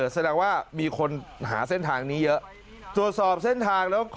แสดงว่ามีคนหาเส้นทางนี้เยอะ